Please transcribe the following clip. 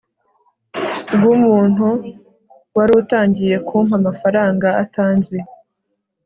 bwumuntu wari utangiye kumpa amafaranga atanzi